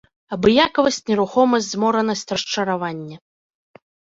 Абыякавасць, нерухомасць, зморанасць, расчараванне.